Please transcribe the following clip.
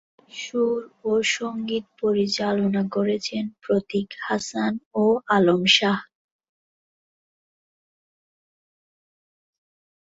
সুর ও সংগীত পরিচালনা করেছেন প্রতীক হাসান ও আলম শাহ।